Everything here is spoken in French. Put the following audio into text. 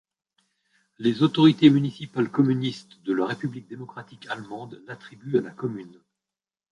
Les autorités municipales communistes de la république démocratique allemande l'attribuent à la commune.